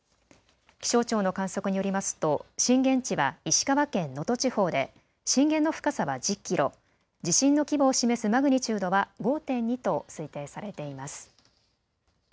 気象庁の観測によりますと震源地は石川県能登地方で震源の深さは１０キロ、地震の規模を示すマグニチュードは５．２と推定されています。